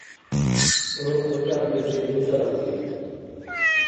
Гӏур хъуцӏарлизи буцӏарагиб.